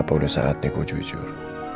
apa udah saat nih ku jujur